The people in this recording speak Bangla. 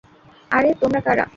আরে তোমরা কারা?